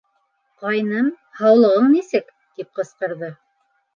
— Ҡайным, һаулығың нисек? — тип ҡысҡырҙы.